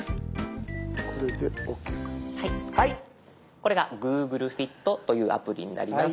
これが「ＧｏｏｇｌｅＦｉｔ」というアプリになります。